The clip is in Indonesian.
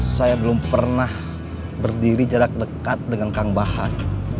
saya belum pernah berdiri jarak dekat dengan kang bahar